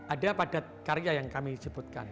ada padat karya yang kami sebutkan